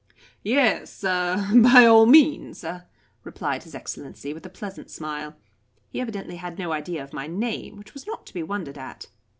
"Yes uh by all means uh " replied his Excellency, with a pleasant smile. He evidently had no idea of my name, which was not to be wondered at.